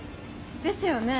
ですよね！